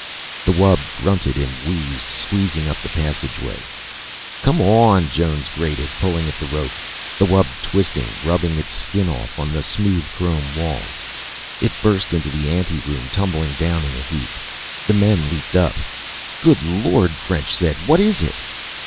The wub grunted and wheezed, squeezing up the passageway. "Come on," Jones grated, pulling at the rope. The wub twisted, rubbing its skin off on the smooth chrome walls. It burst into the ante room, tumbling down in a heap. The men leaped up. "Good Lord," French said. "What is it?"